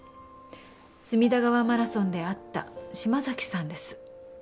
隅田川マラソンで会った島崎さんです。